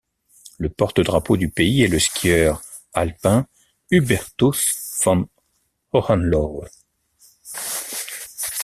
Le porte-drapeau du pays est le skieur alpin Hubertus von Hohenlohe.